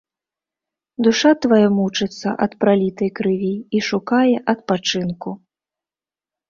Душа твая мучыцца ад пралітай крыві і шукае адпачынку.